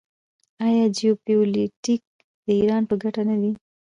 آیا جیوپولیټیک د ایران په ګټه نه دی؟